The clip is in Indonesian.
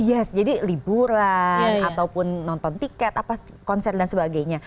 yes jadi liburan ataupun nonton tiket konser dan sebagainya